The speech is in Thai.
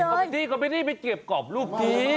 เข้าไปนี่เข้าไปนี่ไปเก็บกรอบรูปนี้